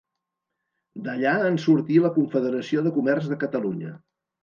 D'allà en sortí la Confederació de Comerç de Catalunya.